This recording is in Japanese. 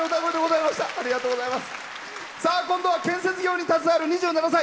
今度は建設業に携わる２７歳。